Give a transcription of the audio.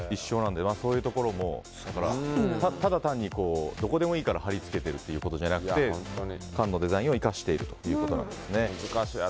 そういうところもただ単に、どこでもいいから貼り付けているということではなくて缶のデザインを生かしているということなんですよね。